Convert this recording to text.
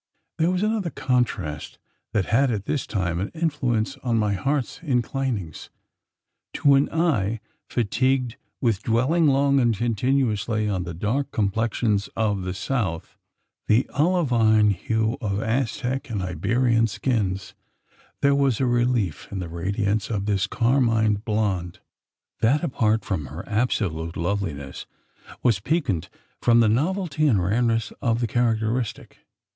There was another contrast that had at this time an influence on my heart's inclinings. To an eye, fatigued with dwelling long and continuously on the dark complexions of the south the olivine hue of Aztec and Iberian skins there was a relief in the radiance of this carmined blonde, that, apart from her absolute loveliness, was piquant from the novelty and rareness of the characteristic.